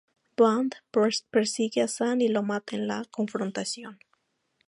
Bond persigue a Sun y lo mata en la confrontación.